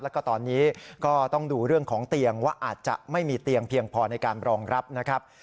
แล้วก็ตอนนี้ก็ต้องดูเรื่องของเตียงว่าอาจจะไม่มีเตียงเพียงพอในการรองรับนะครับ